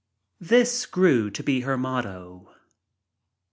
This grew to be her motto.